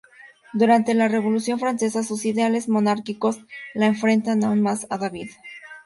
Durante la Revolución francesa sus ideales monárquicos le enfrentan aún más a David.